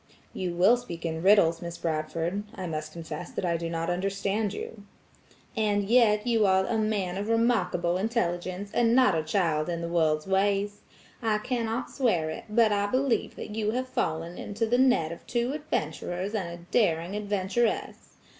"You will speak in riddles, Miss Bradford. I must confess that I do not understand you." "And yet you are a man of remarkable intelligence, and not a child in the world's ways. I cannot swear to it, but I believe that you have fallen into the net of two adventurers and a daring adventuress.